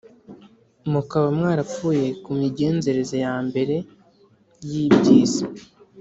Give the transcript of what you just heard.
mukaba mwarapfuye ku migenzereze ya mbere y’iby’isi